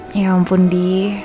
ya ampun di